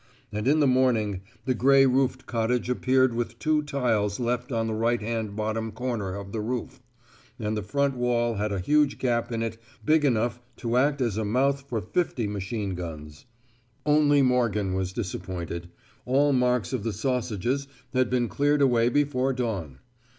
And in the morning the grey roofed cottage appeared with two tiles left on the right hand bottom corner of the roof, and the front wall had a huge gap in it big enough to act as a mouth for fifty machine guns. Only Morgan was disappointed: all marks of the sausages had been cleared away before dawn!